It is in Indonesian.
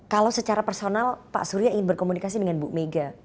kalau secara personal pak surya ingin berkomunikasi dengan bu mega